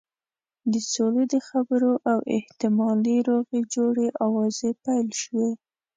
د سولې د خبرو او احتمالي روغې جوړې آوازې پیل شوې.